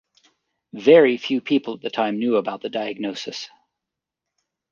Very few people at the time knew about the diagnosis.